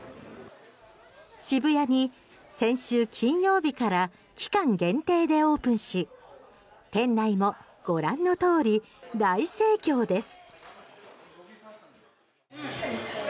渋谷に先週金曜日から期間限定でオープンし店内もご覧の通り大盛況です。